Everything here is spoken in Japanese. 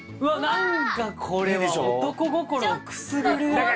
なんかこれは男心をくすぐる！